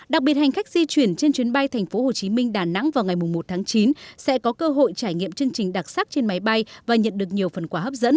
đặc biệt hành khách di chuyển trên chuyến bay tp hcm đà nẵng vào ngày một tháng chín sẽ có cơ hội trải nghiệm chương trình đặc sắc trên máy bay và nhận được nhiều phần quà hấp dẫn